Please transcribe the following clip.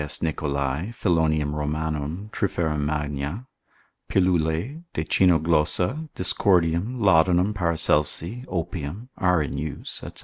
Requies Nicholai, Philonium Romanum, Triphera magna, pilulae, de Cynoglossa, Dioscordium, Laudanum Paracelsi, Opium, are in use, &c.